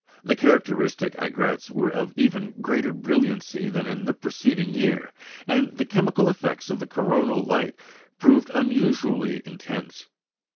The characteristic aigrettes were of even greater brilliancy than in the preceding year, and the chemical effects of the coronal light proved unusually intense.